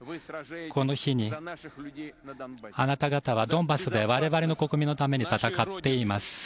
この日に、あなた方はドンバスで我々の国民のために戦っています。